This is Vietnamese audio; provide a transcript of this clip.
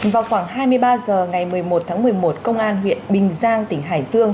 vào khoảng hai mươi ba h ngày một mươi một tháng một mươi một công an huyện bình giang tỉnh hải dương